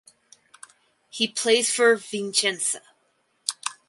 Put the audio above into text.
He plays for Vicenza.